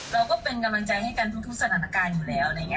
เราก็เป็นกำลังใจให้กันทุกสถานการณ์อยู่แล้ว